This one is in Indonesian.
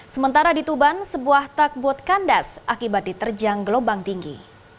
sementara di tuban sebuah takbut kandas akibat diterjang gelombang tinggi